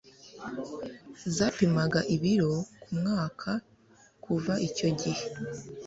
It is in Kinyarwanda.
zapimaga ibiro ku mwaka kuva icyo gihe